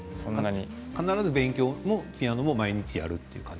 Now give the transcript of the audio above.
必ず勉強もピアノも毎日やると？